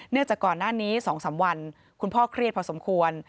จากก่อนหน้านี้๒๓วันคุณพ่อเครียดพอสมควร